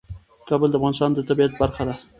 کابل د افغانستان د طبیعت برخه ده.